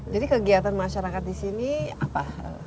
jadi kegiatan masyarakat di sini apa